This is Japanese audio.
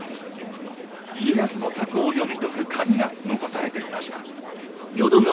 家康の策を読み解くカギが残されていました。